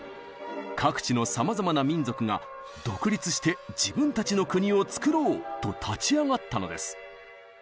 各地のさまざまな民族が独立して自分たちの国をつくろう！と立ち上がったのです。